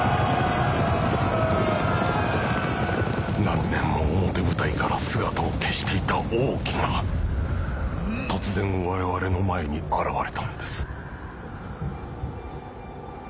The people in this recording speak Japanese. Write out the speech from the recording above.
何年も表舞台から姿を消していた王騎が突然我々の前に現れたのです。